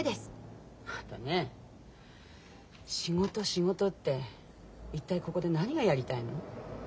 あなたね仕事仕事って一体ここで何がやりたいの？